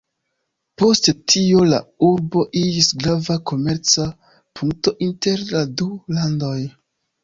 Post tio la urbo iĝis grava komerca punkto inter la du landoj.